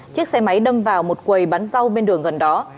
chiếc xe máy đâm vào một quầy bán rau bên đường gần đó